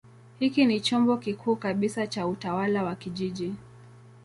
Hiki ni chombo kikuu kabisa cha utawala wa kijiji.